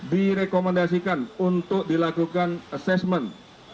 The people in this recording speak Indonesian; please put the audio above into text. direkomendasikan untuk dilakukan assessment